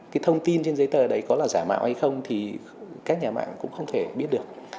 cái thông tin trên giấy tờ đấy có là giả mạo hay không thì các nhà mạng cũng không thể biết được